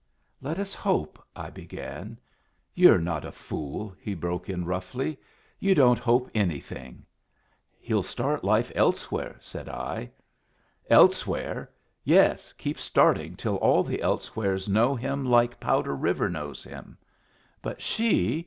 "Let us hope " I began. "You're not a fool," he broke in, roughly. "You don't hope anything." "He'll start life elsewhere," said I. "Elsewhere! Yes, keep starting till all the elsewheres know him like Powder River knows him. But she!